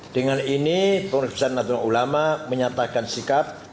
dengan ini pemirsa nadun ulama menyatakan sikap